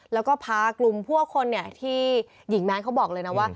แล้วก็พากลุ่มพวกคนที่หญิงแมนเขาบอกเลยนะว่า